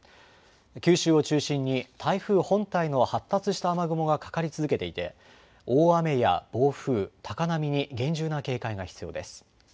九州を中心に台風本体の発達した雨雲がかかり続けていて、大雨や暴風、高波に厳重な警戒が必要です。